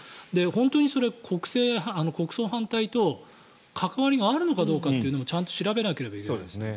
本当にそれが国葬反対と関わりがあるのかというのもちゃんと調べなければいけないですね。